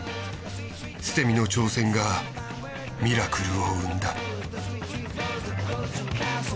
捨て身の挑戦がミラクルを生んだ。